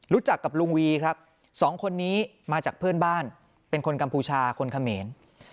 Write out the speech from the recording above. รู้จักกับลุงวีครับสองคนนี้มาจากเพื่อนบ้านเป็นคนกัมพูชาคนเขมร